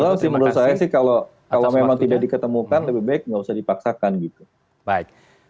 betul sih menurut saya sih kalau memang tidak diketemukan lebih baik nggak usah dipaksakan gitu